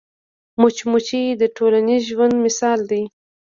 مچمچۍ د ټولنیز ژوند مثال ده